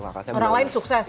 orang lain sukses gitu